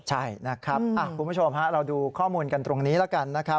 ใช่นะครับคุณผู้ชมฮะเราดูข้อมูลกันตรงนี้แล้วกันนะครับ